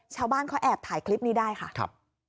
ชาวบ้านเขาแอบถ่ายคลิปนี้ได้ค่ะครับ